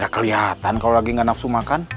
gak kelihatan kalau lagi gak nafsu makan